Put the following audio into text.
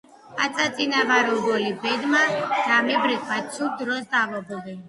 პაწაწა ვარ ობოლი ბედმა დამიბრიყვა ცუდ დროს დავობლდი.